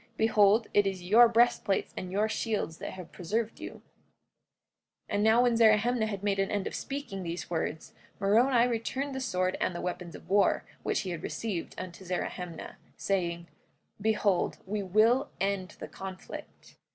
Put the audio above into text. Behold, it is your breastplates and your shields that have preserved you. 44:10 And now when Zerahemnah had made an end of speaking these words, Moroni returned the sword and the weapons of war, which he had received, unto Zerahemnah, saying: Behold, we will end the conflict.